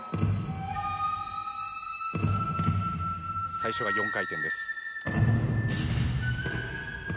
最初が４回転です。